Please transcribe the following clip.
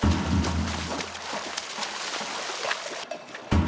kebelakangan anjir abal abal